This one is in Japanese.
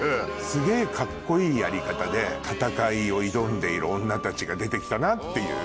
すげぇカッコいいやり方で戦いを挑んでいる女たちが出て来たなっていう。